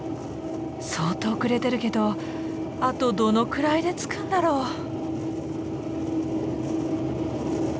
相当遅れてるけどあとどのくらいで着くんだろう？